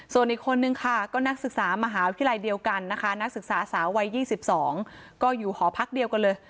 ส่วนอีกคนนึงค่ะก็นักศึกษามหาวิทยาลัยเดียวกันนะคะนักศึกษาสาววัย๒๒ก็อยู่หอพักเดียวกันเลย